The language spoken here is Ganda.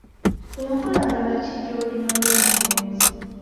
Enkolagana ki gy'olina n'omugenzi?